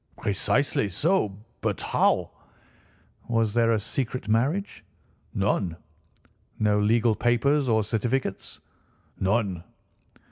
"Precisely so. But how—" "Was there a secret marriage?" "None." "No legal papers or certificates?" "None."